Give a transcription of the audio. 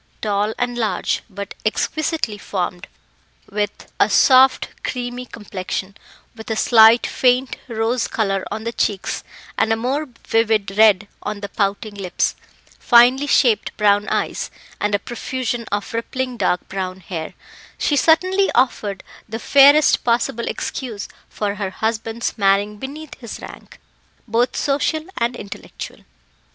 Tall and large, but exquisitely formed, with a soft creamy complexion, with a slight faint rose colour on the cheeks, and a more vivid red on the pouting lips, finely shaped brown eyes, and a profusion of rippling dark brown hair, she certainly offered the fairest possible excuse for her husband's marrying beneath his rank both social and intellectual.